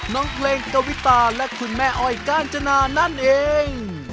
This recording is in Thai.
น้องเพลงกวิตาและคุณแม่อ้อยกาญจนานั่นเอง